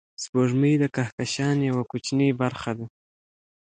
سپوږمۍ د کهکشان یوه کوچنۍ برخه ده